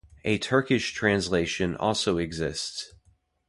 A Turkish translation also exists.